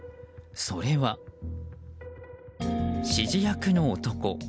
それは。指示役の男。